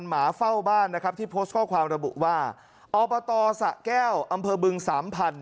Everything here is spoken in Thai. หมาเฝ้าบ้านนะครับที่โพสต์ข้อความระบุว่าอบตสะแก้วอำเภอบึงสามพัน